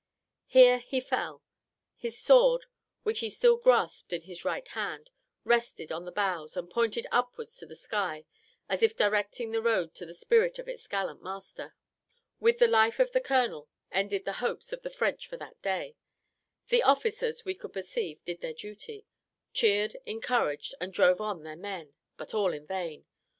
Here he fell; his sword, which he still grasped in his right hand, rested on the boughs, and pointed upwards to the sky, as if directing the road to the spirit of its gallant master. With the life of the colonel ended the hopes of the French for that day. The officers, we could perceive, did their duty cheered, encouraged, and drove on their men, but all in vain!